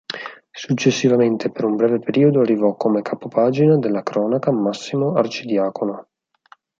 Successivamente per un breve periodo arrivò come capo pagina della cronaca Massimo Arcidiacono.